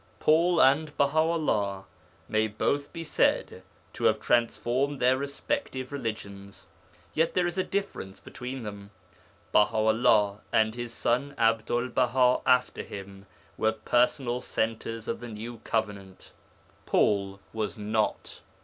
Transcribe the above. Paul and Baha 'ullah may both be said to have transformed their respective religions. Yet there is a difference between them. Baha 'ullah and his son Abdul Baha after him were personal centres of the new covenant; Paul was not.